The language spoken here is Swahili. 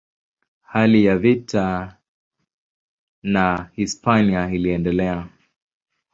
Hali ya vita na Hispania iliendelea.